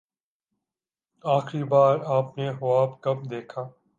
آخری بار آپ نے خواب کب دیکھا؟